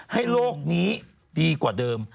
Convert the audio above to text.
ให้โรคนี้ดีกว่าเดิม